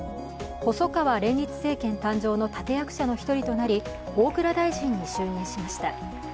細川連立政権誕生の立て役者の一人となり大蔵大臣に就任しました。